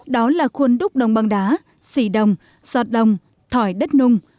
đó là khuôn đúc đồng băng đá xỉ đồng sọt đồng thỏi đất nung